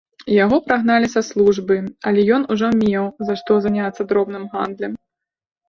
Яго прагналі са службы, але ён ужо меў за што заняцца дробным гандлем.